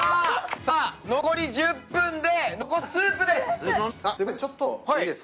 さぁ残り１０分で残すはスープです！